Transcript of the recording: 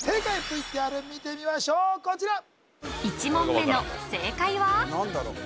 見てみましょうこちら１問目の正解は？